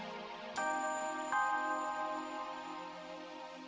aku mau jemput tante